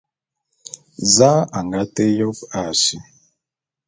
Za a nga té yôp a si?